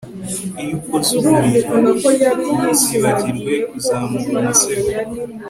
iyo ukoze uburiri, ntuzibagirwe kuzamura umusego